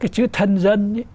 cái chữ thân dân ấy